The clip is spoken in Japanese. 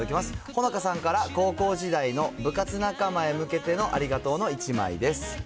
ほのかさんから、高校時代の部活仲間へ向けてのありがとうの１枚です。